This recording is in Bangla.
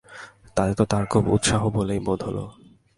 তাতে তো তার খুব উৎসাহ বলেই বোধ হল।